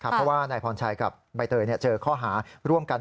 เพราะว่านายพรชัยกับใบเตยเจอข้อหาร่วมกัน